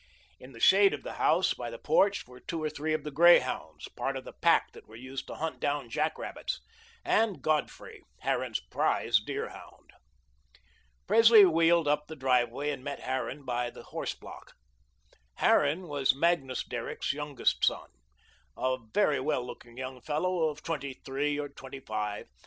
In the shade of the house, by the porch, were two or three of the greyhounds, part of the pack that were used to hunt down jack rabbits, and Godfrey, Harran's prize deerhound. Presley wheeled up the driveway and met Harran by the horse block. Harran was Magnus Derrick's youngest son, a very well looking young fellow of twenty three or twenty five.